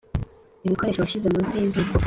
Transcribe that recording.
ibikoresho washyize munsi yizuba.